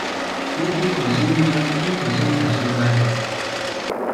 टोपी खोजेँ, लठ्ठी खोजेँ, हजुर्बुवाको ।